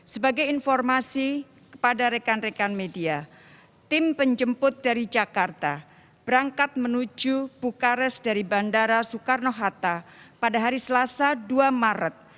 sebagai informasi kepada rekan rekan media tim penjemput dari jakarta berangkat menuju bukares dari bandara soekarno hatta pada hari selasa dua maret